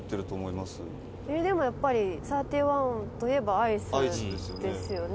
「でも、やっぱり３１といえばアイスですよね」